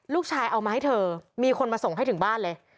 เอามาให้เธอมีคนมาส่งให้ถึงบ้านเลย